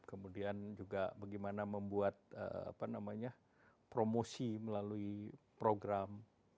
kemudian juga bagaimana membuat promosi melalui program